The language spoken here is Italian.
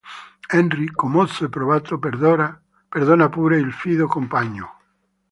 Henry, commosso e provato, perdona pure il fido compagno.